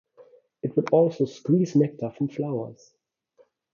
It will also squeeze nectar from flowers.